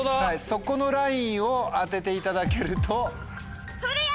そこのラインを当てていただけると。